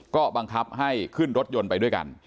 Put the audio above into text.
ก็บังคับให้ขึ้นรถยนต์ไปด้วยกัน